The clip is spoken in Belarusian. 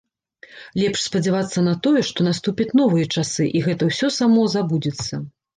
Лепш спадзявацца на тое, што наступяць новыя часы, і гэта ўсё само забудзецца.